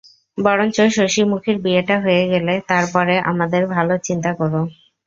বরঞ্চ শশিমুখীর বিয়েটা হয়ে গেলে তার পরে আমাদের ভালোর চিন্তা কোরো।